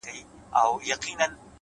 ساده ژوند د زړه سکون راولي